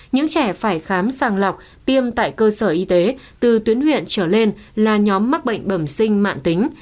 những trẻ phải khám sàng lọc tiêm tại cơ sở y tế từ tuyến huyện trở lên là nhóm mắc bệnh bẩm sinh mạng tính